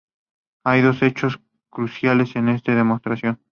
Hay dos hechos cruciales en esta demostración.